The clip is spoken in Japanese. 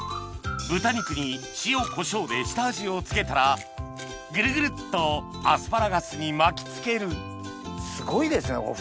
豚肉に塩コショウで下味を付けたらグルグルっとアスパラガスに巻き付けるすごいですね